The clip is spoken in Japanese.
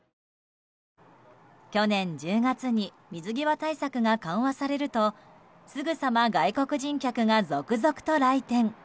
去年１０月に水際対策が緩和されるとすぐさま外国人客が続々と来店。